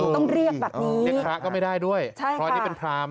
ต้องเรียกแบบนี้เรียกพระก็ไม่ได้ด้วยใช่เพราะอันนี้เป็นพราม